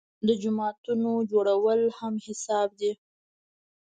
د جوماتونو جوړول هم حساب دي.